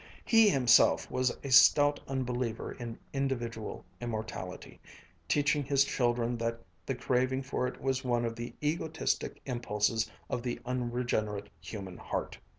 He himself was a stout unbeliever in individual immortality, teaching his children that the craving for it was one of the egotistic impulses of the unregenerate human heart.